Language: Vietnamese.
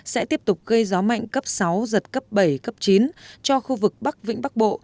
sẽ tiếp tục gây gió mạnh cấp sáu giật cấp bảy cấp chín cho khu vực bắc vĩnh bắc bộ